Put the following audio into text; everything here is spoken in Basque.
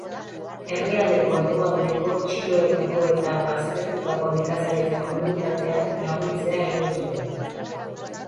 Herrialdeko hegoaldeko txiroetako eta baztertutako nekazaritza komunitateak laguntzea helburu zuen.